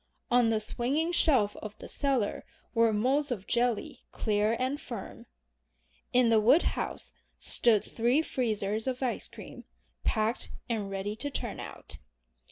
On the swinging shelf of the cellar were moulds of jelly clear and firm. In the woodhouse stood three freezers of ice cream, "packed" and ready to turn out.